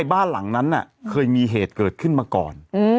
บ้านหลังนั้นเคยมีเหตุเกิดขึ้นมาก่อน